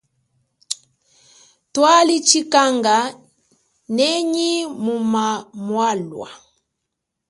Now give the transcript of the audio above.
Twali chikanga nenyi mu mamwalwa.